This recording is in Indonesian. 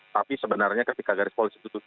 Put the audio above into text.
tapi sebenarnya ketika garis polisi tutupi